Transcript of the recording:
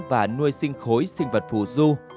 và nuôi sinh khối sinh vật phù du